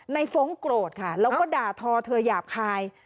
ฟ้องโกรธค่ะแล้วก็ด่าทอเธอหยาบคาย